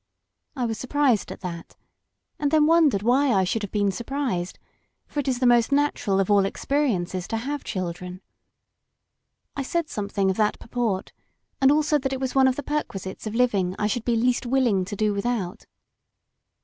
I was surprised at that, and then wondered why I should have been surprised, for it is the most natural of all experiences to have children. I said something of that purport, and also that it was one of the perquisites of living I should be least willing to do without.